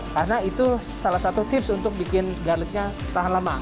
karena itu salah satu tips untuk bikin garlic nya tahan lama